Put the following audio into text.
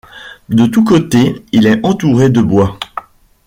De tout côté il est entouré de bois.